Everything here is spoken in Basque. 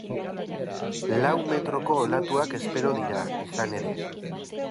Lau metroko olatuak espero dira, izan ere.